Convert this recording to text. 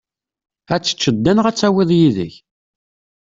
Ad teččeḍ da neɣ ad tawiḍ yid-k?